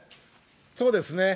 そうですね。